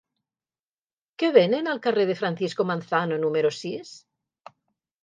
Què venen al carrer de Francisco Manzano número sis?